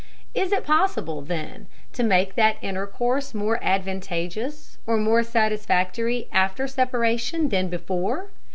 Is it possible, then, to make that intercourse more advantageous or more satisfactory after separation than before?